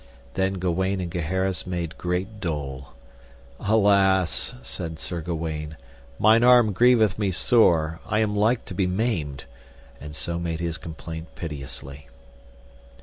Then Gawaine and Gaheris made great dole. Alas! said Sir Gawaine, mine arm grieveth me sore, I am like to be maimed; and so made his complaint piteously.